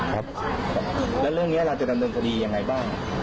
แล้วเรื่องนี้เราจะดำเนินสดีอย่างไรบ้าง